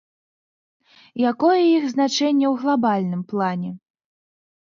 Якое іх значэнне ў глабальным плане?